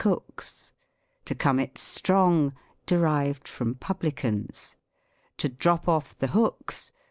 Cooks. To come it strong. Publicans. To drop off the hooks.